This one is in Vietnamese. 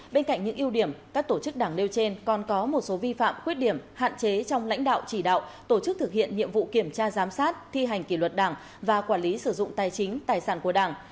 bên cạnh những ưu điểm các tổ chức đảng nêu trên còn có một số vi phạm khuyết điểm hạn chế trong lãnh đạo chỉ đạo tổ chức thực hiện nhiệm vụ kiểm tra giám sát thi hành kỷ luật đảng và quản lý sử dụng tài chính tài sản của đảng